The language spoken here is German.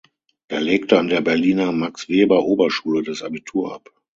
Er legte an der Berliner "Max-Weber-Oberschule" das Abitur ab.